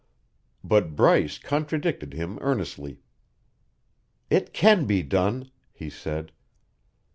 But Bryce contradicted him earnestly. "It can be done," he said.